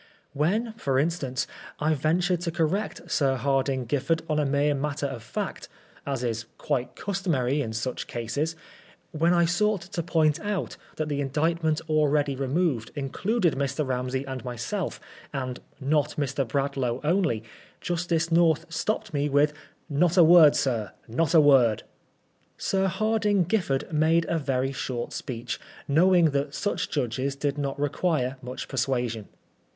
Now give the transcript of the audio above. When, for instance, I ventured to correct Sir Hardinge Giffard on a mere matter of fact, as is quite customary in such cases ; when I sought to point out that the Indictment already removed included Mr. Ramsey and myself, and not Mr. Bradlaugh only ; Justice North stopped me with "Not a word, sir, not a word." Sir Hardinge Giffard made a very short speech, knowing that such judges did not require much per suasion.